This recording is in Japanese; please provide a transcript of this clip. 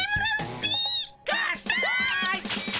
合体！